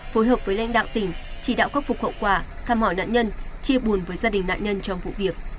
phối hợp với lãnh đạo tỉnh chỉ đạo khắc phục hậu quả thăm hỏi nạn nhân chia buồn với gia đình nạn nhân trong vụ việc